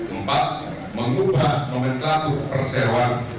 empat mengubah nomenklatuh perseroan